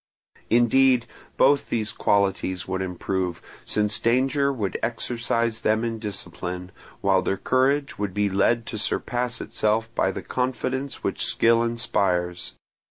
Indeed, both these qualities would improve, since danger would exercise them in discipline, while their courage would be led to surpass itself by the confidence which skill inspires.